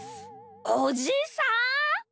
おじさん？